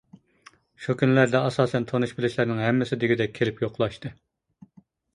شۇ كۈنلەردە ئاساسەن تونۇش-بىلىشلەرنىڭ ھەممىسى دېگۈدەك كېلىپ يوقلاشتى.